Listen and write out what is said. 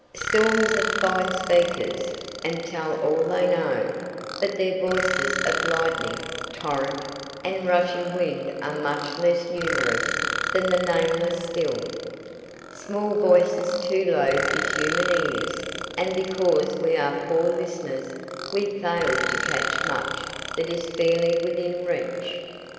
Storms are fine speakers, and tell all they know, but their voices of lightning, torrent, and rushing wind are much less numerous than the nameless still, small voices too low for human ears; and because we are poor listeners we fail to catch much that is fairly within reach.